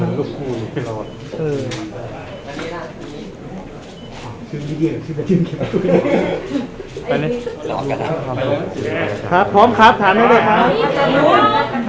อยากให้พูดถึงรางวัลที่ได้รับวันนี้ครับผม